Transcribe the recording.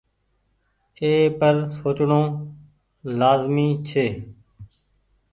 اي پر سوچڻو لآزمي ڇي۔